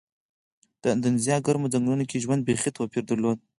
د اندونیزیا ګرمو ځنګلونو کې ژوند بېخي توپیر درلود.